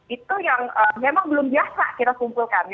itu yang memang belum biasa kita kumpulkan